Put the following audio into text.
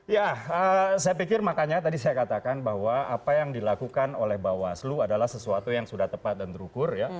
ya saya pikir makanya tadi saya katakan bahwa apa yang dilakukan oleh bawaslu adalah sesuatu yang sudah tepat dan terukur ya